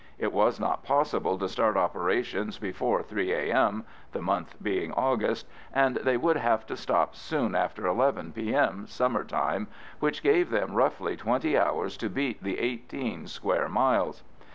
It was not possible to start operations before 3 A.M. (the month being August), and they would have to stop soon after 11 P.M. (summer time), which gave them roughly twenty hours to beat the eighteen square miles.